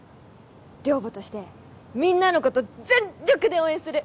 寮母としてみんなのこと全っ力で応援する！